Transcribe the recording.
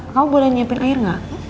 kamu boleh nyiapin air gak